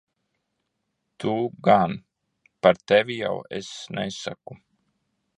Tu gan. Par tevi jau es nesaku.